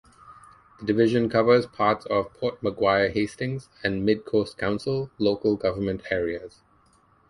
The division covers parts of Port Macquarie-Hastings and Mid-Coast Council local government areas.